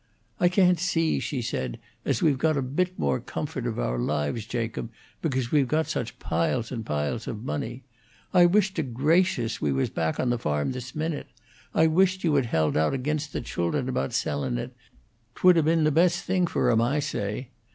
"I can't see," she said, "as we've got a bit more comfort of our lives, Jacob, because we've got such piles and piles of money. I wisht to gracious we was back on the farm this minute. I wisht you had held out ag'inst the childern about sellin' it; 'twould 'a' bin the best thing fur 'em, I say.